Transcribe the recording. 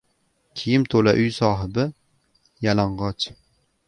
• Kiyim to‘la uy sohibi — yalang‘och.